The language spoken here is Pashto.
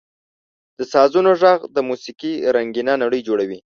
• د سازونو ږغ د موسیقۍ رنګینه نړۍ جوړوي.